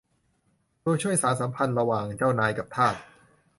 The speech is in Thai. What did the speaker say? ตัวช่วยสานสัมพันธ์ระหว่างเจ้านายกับทาส